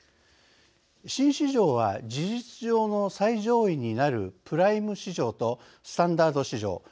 新市場は、事実上の最上位になるプライム市場とスタンダード市場